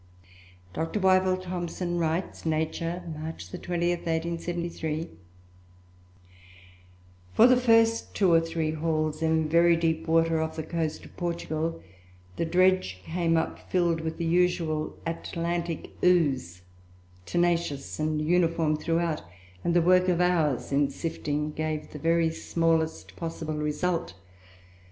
Dr. Wyville Thomson writes ("Nature," March 20, 1873): "For the first two or three hauls in very deep water off the coast of Portugal, the dredge came up filled with the usual 'Atlantic ooze,' tenacious and uniform throughout, and the work of hours, in sifting, gave the very smallest possible result.